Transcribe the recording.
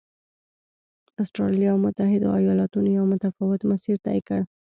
اسټرالیا او متحدو ایالتونو یو متفاوت مسیر طی کړ.